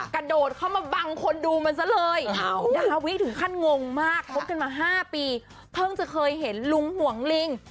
กระโดดเข้ามาบังคนดูมันซะเลยดาวิถึงขั้นงงมากคบกันมา๕ปีเพิ่งจะเคยเห็นลุงห่วงลิง